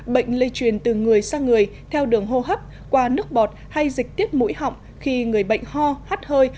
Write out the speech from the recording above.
bệnh lây truyền từ người sang người theo đường hô hấp qua nước bọt hay dịch tiết mũi họng khi người bệnh ho hát hơi